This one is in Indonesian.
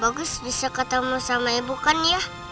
bagus bisa ketemu sama ibu kan ya